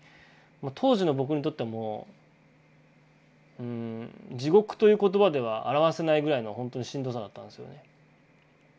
当時の僕にとってはもう地獄という言葉では表せないぐらいのほんとにしんどさだったんですよね。